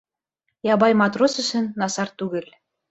Ябай матрос өсөн насар түгел.